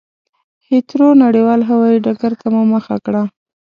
هېترو نړېوال هوایي ډګرته مو مخه کړه.